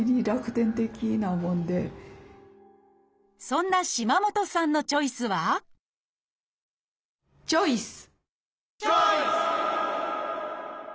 そんな島本さんのチョイスはチョイス！